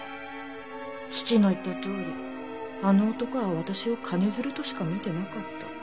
父の言ったとおりあの男は私を金づるとしか見てなかった。